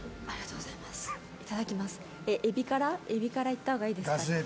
エビからいった方がいいですかね。